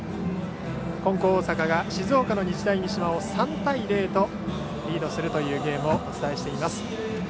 金光大阪が静岡の日大三島を３対０とリードするというゲームをお伝えしています。